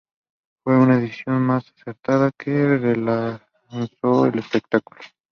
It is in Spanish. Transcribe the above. Fue una decisión muy acertada que relanzó el espectáculo.